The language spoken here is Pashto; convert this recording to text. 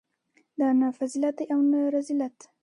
دا نه فضیلت دی او نه رذیلت.